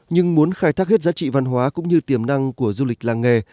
nhưng muốn khai thác hết giá trị văn hóa cũng như tiềm năng của du lịch làng nghề